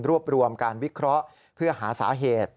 รวบรวมการวิเคราะห์เพื่อหาสาเหตุ